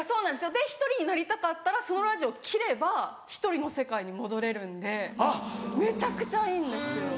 で１人になりたかったらそのラジオ切れば１人の世界に戻れるんでめちゃくちゃいいんですよ。